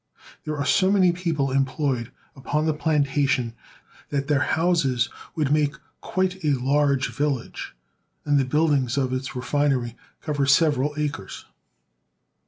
There are so many people employed upon the plantation A SUGAR PLANTATION. H5 1/ that their houses would make quite a large village, and the buildings of its refinery cover several acres.